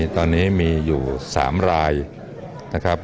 ตอนนี้มีอยู่๓รายนะครับ